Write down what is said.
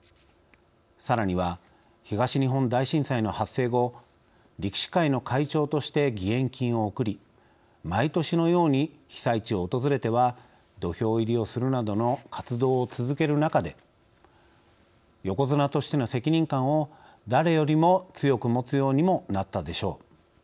さらには東日本大震災の発生後力士会の会長として義援金を送り毎年のように被災地を訪れては土俵入りをするなどの活動を続ける中で横綱としての責任感を誰よりも強く持つようにもなったでしょう。